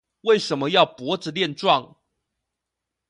為什麼要脖子練壯